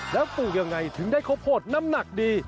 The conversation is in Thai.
แล้วปลูกยังไงถึงได้ข้าวโพดน้ำหนักดี